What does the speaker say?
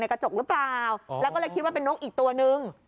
กระจกหรือเปล่าแล้วก็เลยคิดว่าเป็นนกอีกตัวนึง